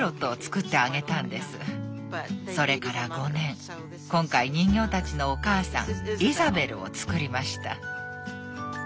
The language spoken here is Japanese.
それから５年今回人形たちのお母さんイザベルを作りました。